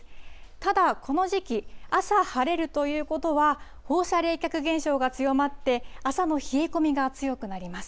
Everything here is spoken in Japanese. ただ、この時期、朝晴れるということは、放射冷却現象が強まって、朝の冷え込みが強くなります。